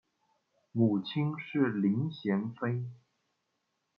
母亲是林贤妃。